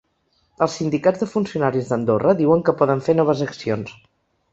Els sindicats de funcionaris d’Andorra diuen que poden fer noves accions.